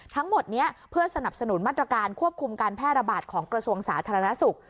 ทั้งหมดนี้เพื่อสนับสนุนมาตรการควบคุมการแพร่ระบาดของกระทรวงสาธารณสุข